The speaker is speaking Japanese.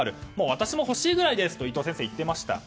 私も欲しいぐらいですと伊藤先生言ってました。